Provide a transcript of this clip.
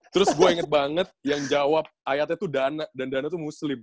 terus gue inget banget yang jawab ayatnya tuh dana dan dana tuh muslim